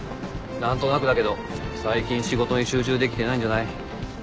何となくだけど最近仕事に集中できてないんじゃない？